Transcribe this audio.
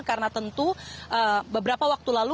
karena tentu beberapa waktu lalu